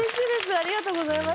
ありがとうございます。